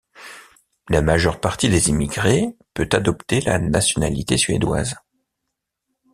La majeure partie des immigrés peut adopter la nationalité suédoise.